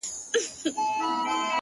ته يې بد ايسې؛